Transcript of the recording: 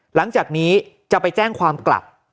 หลังจากนี้จะไปแจ้งความกลับ